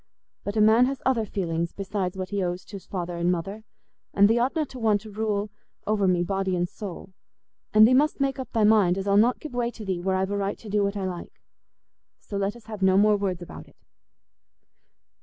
But a man has other feelings besides what he owes to's father and mother, and thee oughtna to want to rule over me body and soul. And thee must make up thy mind as I'll not give way to thee where I've a right to do what I like. So let us have no more words about it."